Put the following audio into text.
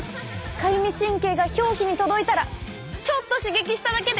かゆみ神経が表皮に届いたらちょっと刺激しただけで。